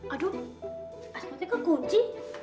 aduh asmatnya kan kunci